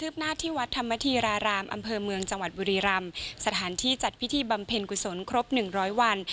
บริรัมป์อำเภอเมืองจังหวัดบริรัมป์สถานที่จัดพิธีบำเพ็ญกุศลครบ๑๐๐วัน